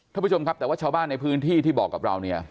ท่านผู้ชมครับแต่ว่าชาวบ้านในพื้นที่ที่บอกกับเราเนี่ย